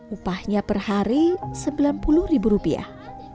upahnya per hari sembilan puluh ribu rupiah